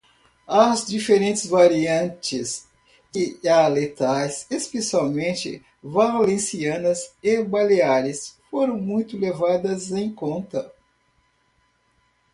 As diferentes variantes dialetais, especialmente valencianas e baleares, foram muito levadas em conta.